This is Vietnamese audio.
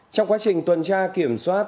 trong quá trình tuần tra kiểm soát